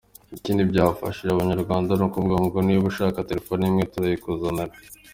Ikindi byafashije Abanyarwanda ni ukuvuga ngo niba ushaka telefoni imwe turayikuzanira.